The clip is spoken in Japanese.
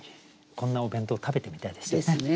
こんなお弁当を食べてみたいですよね。